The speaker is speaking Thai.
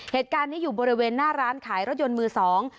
เหตุการณ์นี้อยู่บริเวณหน้าร้านขายรถยนต์มือสอง